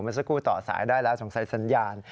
เมื่อสักครู่ต่อสายได้แล้วสงสัยสัญญาณ